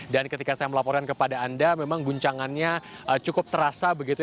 dan ketika saya melaporkan kepada anda memang guncangannya cukup terasa begitu